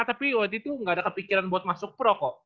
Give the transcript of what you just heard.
tapi waktu itu gak ada kepikiran buat masuk pro kok